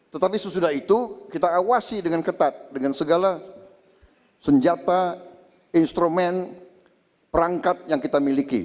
tetapi sesudah itu kita awasi dengan ketat dengan segala senjata instrumen perangkat yang kita miliki